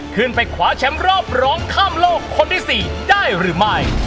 ขึ้นไปคว้าแชมป์รอบร้องข้ามโลกคนที่๔ได้หรือไม่